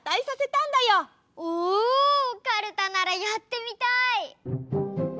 おおカルタならやってみたい！